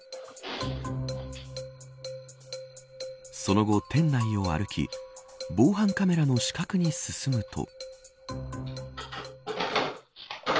その後、店内を歩き防犯カメラの死角に進むと。